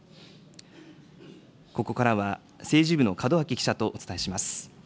ここからは、政治部の門脇記者とお伝えします。